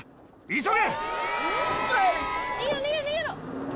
急げ。